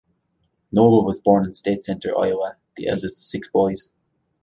Noble was born in State Center, Iowa, the eldest of six boys.